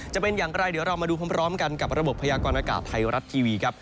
จะเป็นอย่างไรเดี๋ยวเรามาดูพร้อมกันกับระบบพยากรณากาศไทยรัฐทีวีครับ